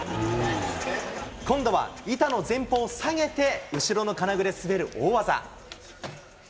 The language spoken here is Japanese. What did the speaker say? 今度は板の前方を下げて後ろの金具で滑る大技。